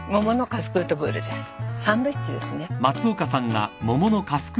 サンドイッチですね。